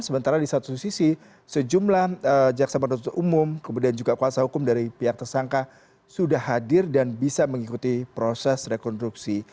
sementara di satu sisi sejumlah jaksa penuntut umum kemudian juga kuasa hukum dari pihak tersangka sudah hadir dan bisa mengikuti proses rekonstruksi